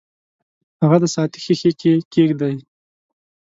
هغه د ساعتي ښيښې کې کیږدئ.